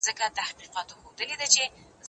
سپينکۍ د مور له خوا مينځل کيږي!؟